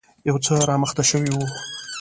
يو څه رامخته شوی و.